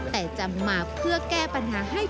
แต่จะมาเพื่อแก้ปัญหาให้